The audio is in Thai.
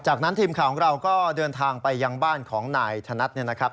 จากนั้นทีมข่าวของเราก็เดินทางไปยังบ้านของนายธนัดเนี่ยนะครับ